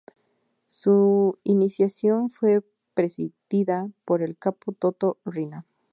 Su iniciación fue presidida por el "capo" Toto Riina.